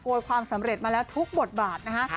ความสำเร็จมาแล้วทุกบทบาทนะฮะ